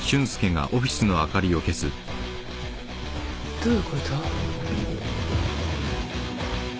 どういうこと？